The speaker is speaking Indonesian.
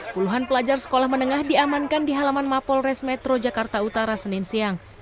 puluhan pelajar sekolah menengah diamankan di halaman mapol resmetro jakarta utara senin siang